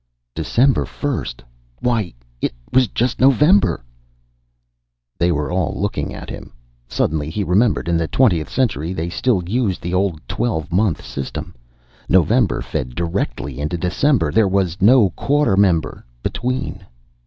"December first! Why, it was just November!" They were all looking at him. Suddenly he remembered. In the twentieth century they still used the old twelve month system. November fed directly into December; there was no Quartember between.